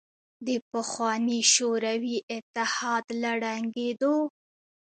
د پخواني شوروي اتحاد له ړنګېدو